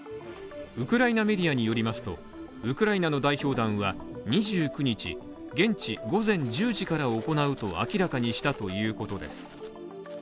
ウクライナメディアによりますとウクライナの代表団は２９日現地午前１０時から行うと明らかにしたということです。